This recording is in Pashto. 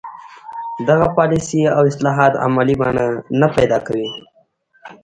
دغه پالیسۍ او اصلاحات عملي بڼه نه پیدا کوي.